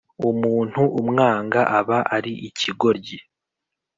umuntu umwanga aba ari ikigoryi